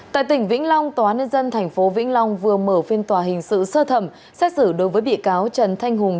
tại tỉnh vĩnh long tòa nơi dân thành phố vĩnh long vừa mở phiên tòa hình sự sơ thẩm xét xử đối với bị cáo trần thanh hùng